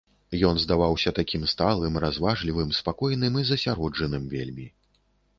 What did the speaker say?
Ён здаваўся такім сталым, разважлівым, спакойным і засяроджаным вельмі.